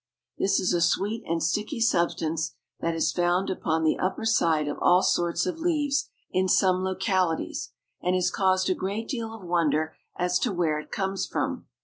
This is a sweet and sticky substance that is found upon the upper side of all sorts of leaves in some localities and has caused a great deal of wonder as to where it comes from.